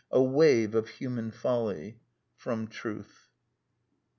... A wave of human folly." Truth.